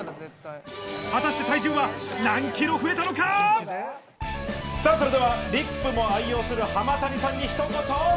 果たしてさぁそれではリップも愛用する濱谷さんにひと言さっしー！